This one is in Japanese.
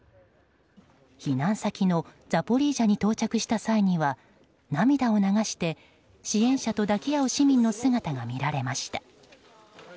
避難先のザポリージャに到着した際には涙を流して支援者と抱き合う市民の姿が見られました。